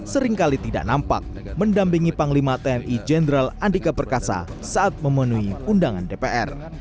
seringkali tidak nampak mendampingi panglima tni jenderal andika perkasa saat memenuhi undangan dpr